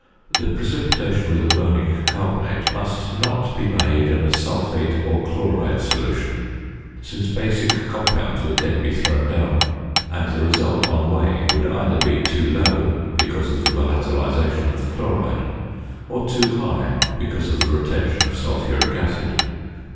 The precipitation with ammonic carbonate must not be made in a sulphate or chloride solution; since basic compounds would then be thrown down, and the result on weighing would either be too low (because of the volatilisation of the chloride), or too high (because of the retention of sulphuric acid).